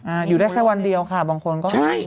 อยู่ได้แค่วันเดียวค่ะบางคนก็ไม่